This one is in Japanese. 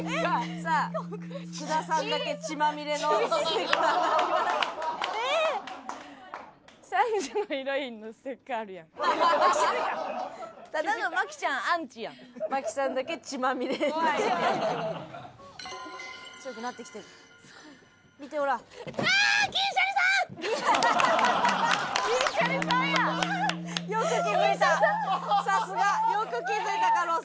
さすが！よく気づいた加納さん。